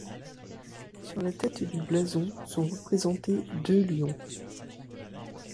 Sur la tête du blason sont représentés deux lions.